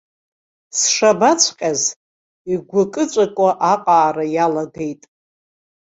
Сшабаҵәҟьаз игәкы-ҵәыкуа аҟаара иалагеит.